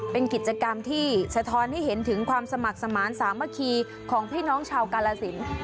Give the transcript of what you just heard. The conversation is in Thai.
เป็นกิจกรรมที่สะท้อนให้เห็นถึงความสมัครสมาธิสามัคคีของพี่น้องชาวกาลสิน